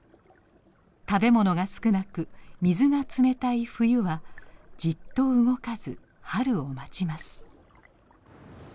食べ物が少なく水が冷たい冬はじっと動かず春を待ちます。